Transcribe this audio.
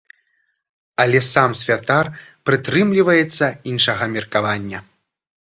Але сам святар прытрымліваецца іншага меркавання.